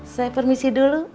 saya permisi dulu